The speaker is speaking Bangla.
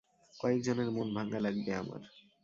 কয়েকজনের মন ভাঙা লাগবে আমার!